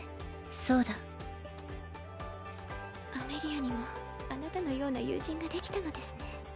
そうだアメリアにもあなたのような友人ができたのですね